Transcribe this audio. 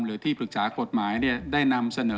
หรือที่ปรึกษากฎหมายได้นำเสนอ